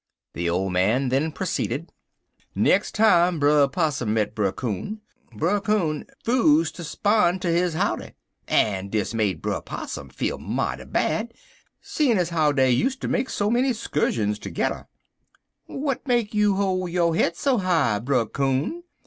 The old man then proceeded: "Nex' time Brer Possum met Brer Coon, Brer Coon 'fuse ter 'spon' ter his howdy, en dis make Brer Possum feel mighty bad, seein' ez how dey useter make so many 'scurshuns tergedder. "'W'at make you hol' yo' head so high, Brer Coon?'